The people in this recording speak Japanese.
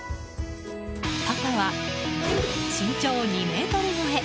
パパは身長２ｍ超え。